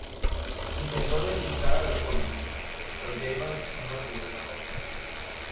Intentó despistar a la poli pero ya iban pisándole los talones